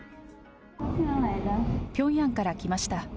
ピョンヤンから来ました。